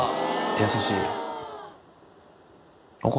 優しい。